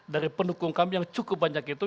dari pendukung kami yang cukup banyak itu